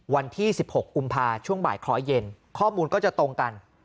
วันที่๑๖กุมภาคช่วงบ่ายคล้อยเย็นข้อมูลก็จะตรงกัน